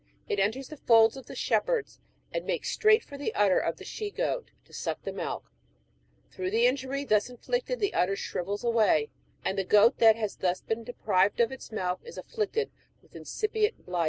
It enters the folds of the shepherds, and makes straight for the udder of the she goat, to suck the milk. Through the injury thus inflicted the udder shrivels away, and the goat that has been thus deprived of its milk, is afilicted with incipient blindness.